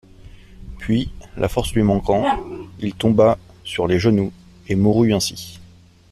Puis, la force lui manquant, il tomba sur les genoux, et mourut ainsi.